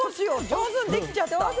上手にできちゃった。